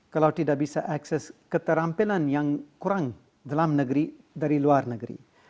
kalau tidak bisa akses keterampilan yang kurang dalam negeri dari luar negeri